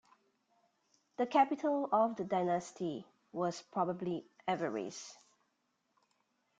The capital of the dynasty was probably Avaris.